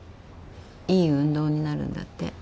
いい運動になるんだって。